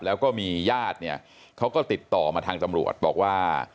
แล้วก็มีญาติเนี่ยเขาก็ติดต่อมาทางตำรวจบอกว่า